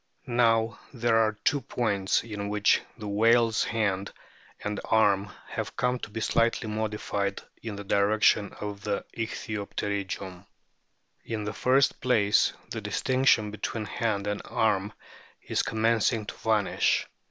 Now there are two points in which the whale's hand and arm have come to be slightly modified in the direction of the Ichthyopterygium. In the first place the distinction between hand and arm is com mencing to vanish.